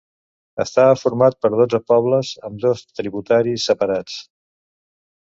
Estava format per dotze pobles, amb dos tributaris separats.